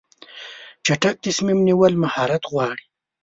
چټک تصمیم نیول مهارت غواړي.